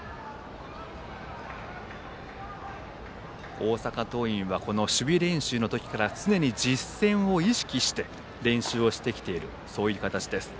大阪桐蔭は守備練習のときから常に実戦を意識して練習してきているという形です。